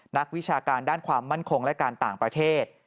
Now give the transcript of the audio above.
วิชาการด้านความมั่นคงและการต่างประเทศ